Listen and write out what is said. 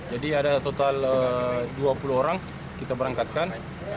jadi ada total dua puluh orang kita berangkatkan